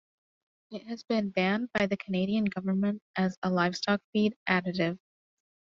It has been banned by the Canadian government as a livestock feed additive.